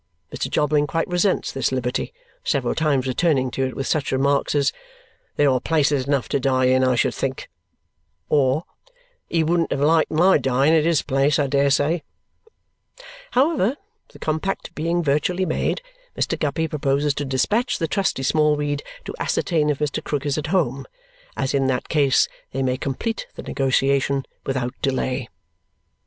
Mr. Jobling quite resents this liberty, several times returning to it with such remarks as, "There are places enough to die in, I should think!" or, "He wouldn't have liked my dying at HIS place, I dare say!" However, the compact being virtually made, Mr. Guppy proposes to dispatch the trusty Smallweed to ascertain if Mr. Krook is at home, as in that case they may complete the negotiation without delay.